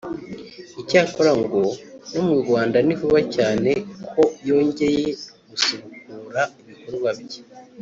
icyakora ngo no mu Rwanda ni vuba cyane ko yongeye gusubukura ibikorwa bye